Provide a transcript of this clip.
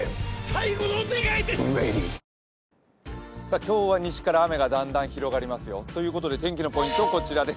今日は西から雨がだんだん広がりますよ。ということで天気のポイントこちらです。